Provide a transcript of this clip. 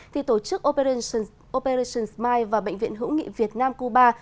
thì tổ chức operentions operation smile và bệnh viện hữu nghị việt nam cuba